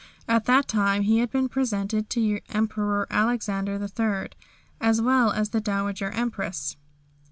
At that time he had been presented to Emperor Alexander III., as well as the Dowager Empress.